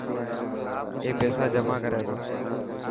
اي پيسا جمع ڪري تو.